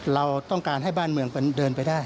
เราต้องการให้บ้านเมืองเดินไปได้